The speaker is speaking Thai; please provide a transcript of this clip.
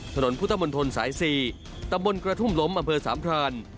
ถนนพุทธมนตรสาย๔ตะบนกระทุ่มล้มอำเภอสามพราน